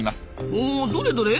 おどれどれ？